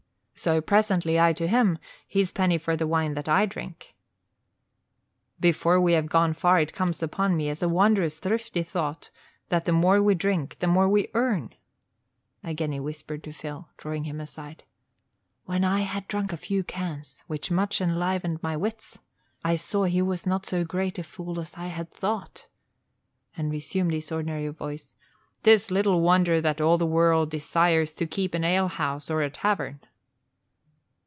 So, presently, I to him: his penny for the wine that I drink. Before we have gone far it comes upon me as a wondrous thrifty thought, that the more we drink the more we earn." Again he whispered to Phil, drawing him aside, "When I had drunk a few cans, which much enlivened my wits, I saw he was not so great a fool as I had thought;" and resumed his ordinary voice "'Tis little wonder that all the world desires to keep an alehouse or a tavern!"